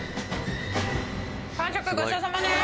完食ごちそうさまです。